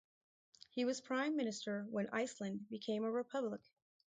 He was prime minister when Iceland became a republic.